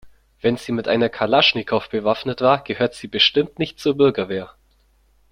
Wenn sie mit einer Kalaschnikow bewaffnet war, gehört sie bestimmt nicht zur Bürgerwehr.